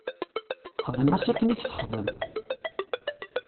Xdem-as akken i k-texdem.